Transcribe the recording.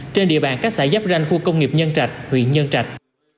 trên địa bàn các xã giáp ranh khu công nghiệp nhân trạch huyện nhân trạch